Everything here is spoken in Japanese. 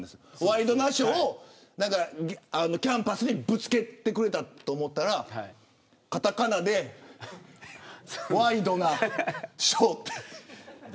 ワイドナショーをキャンパスにぶつけてくれたと思ったらカタカナでワイドナショーってどうなんですか、ジミーさん。